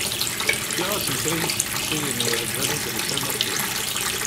Fkiɣ-asen kra n yisteqsiyen yerzan idles amatu.